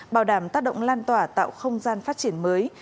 bảo đảm tác động lan tỏa tạo không gian phát triển mới